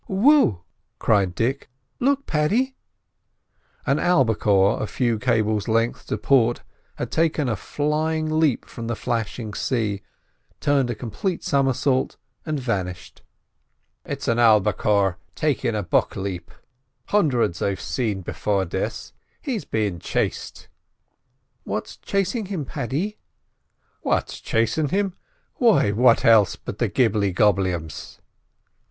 "Whoop!" cried Dick. "Look, Paddy!" An albicore a few cables lengths to port had taken a flying leap from the flashing sea, turned a complete somersault and vanished. "It's an albicore takin' a buck lep. Hundreds I've seen before this; he's bein' chased." "What's chasing him, Paddy?" "What's chasin' him?—why, what else but the gibly gobly ums!"